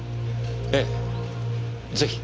ええぜひ。